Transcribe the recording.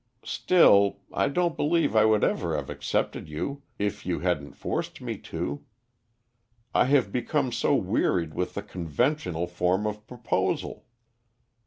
Still, I don't believe I would ever have accepted you if you hadn't forced me to. I have become so wearied with the conventional form of proposal."